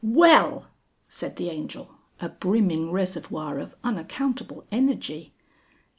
"Well!" said the Angel, a brimming reservoir of unaccountable energy.